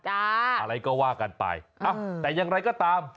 อะไรก็ว่ากันไปแต่อย่างไรก็ตาม